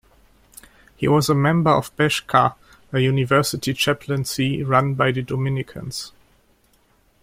He was a member of Beczka, a university chaplaincy run by the Dominicans.